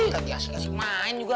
ya siasat asik main juga